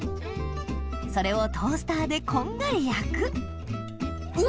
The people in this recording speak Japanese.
それをトースターでこんがり焼くうわ！